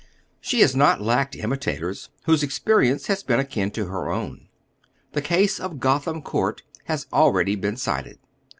She has not lacked imitators whose experience has been akin to her own. The case of Gotham Court has been already cited.